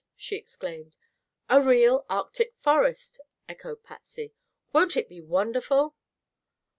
she exclaimed. "A real Arctic forest," echoed Patsy. "Won't it be wonderful!"